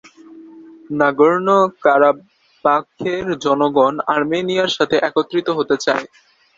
নাগোর্নো-কারাবাখের জনগণ আর্মেনিয়ার সাথে একত্রিত হতে চায়।